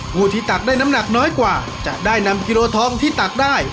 ผู้ที่ตักได้น้ำหนักน้อยกว่าจะได้นำกิโลทองที่ตักได้